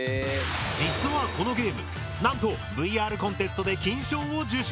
実はこのゲームなんとＶＲコンテストで金賞を受賞！